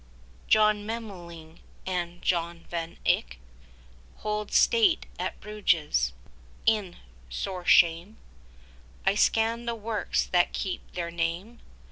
John Memmeling and John Van Eyck 25 Hold state at Bruges. In sore shame I scanned the works that keep their name.